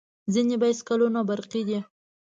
ځینې بایسکلونه برقي دي.